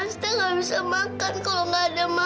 sita gak bisa makan kalau gak ada mama